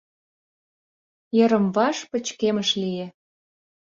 Йырым-ваш пычкемыш лие.